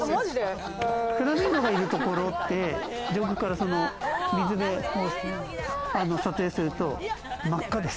フラミンゴがいるところって上空から水辺を撮影すると真っ赤です。